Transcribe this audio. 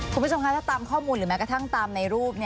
คุณผู้ชมคะถ้าตามข้อมูลหรือแม้กระทั่งตามในรูป